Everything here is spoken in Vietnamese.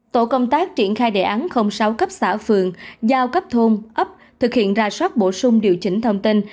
tổ công tác triển khai đề án sáu cấp xã phường giao cấp thôn ấp thực hiện ra soát bổ sung điều chỉnh thông tin